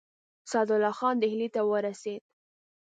سعدالله خان ډهلي ته ورسېد.